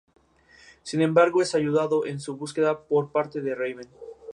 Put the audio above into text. El Club Africain de Túnez ganó la final, siendo el campeón por primera vez.